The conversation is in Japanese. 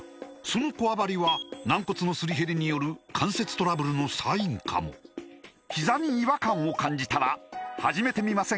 そのこわばりは軟骨のすり減りによる関節トラブルのサインかもひざに違和感を感じたら始めてみませんか